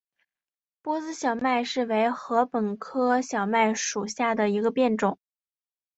波斯小麦为禾本科小麦属下的一个变种。